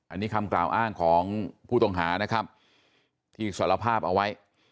อันนี้คำกล่าวอ้างของผู้ต้องหานะครับที่สารภาพเอาไว้